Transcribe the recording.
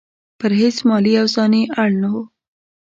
پر هیڅ مالي او ځاني اړ نه وو.